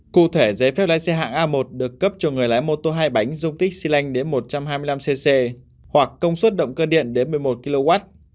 cụ thể giấy phép lái xe hạng a một được cấp cho người lái mô tô hai bánh dung tích xy lanh đến một trăm hai mươi năm cc hoặc công suất động cơ điện đến một mươi một kw